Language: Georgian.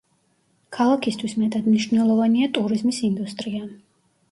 ქალაქისთვის მეტად მნიშვნელოვანია ტურიზმის ინდუსტრია.